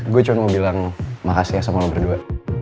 gue cuma mau bilang makasih ya sama allah berdua